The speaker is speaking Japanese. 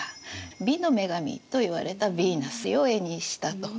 美の女神といわれた「ヴィーナス」を絵にしたと。